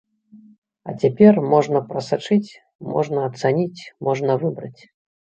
А цяпер можна прасачыць, можна ацаніць, можна выбраць.